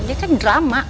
dia kan drama